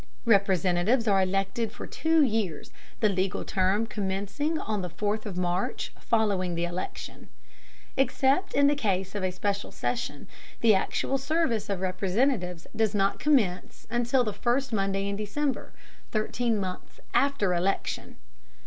Representatives are elected for two years, the legal term commencing on the 4th of March following the election. Except in the case of a special session, the actual service of Representatives does not commence until the first Monday in December, thirteen months after election.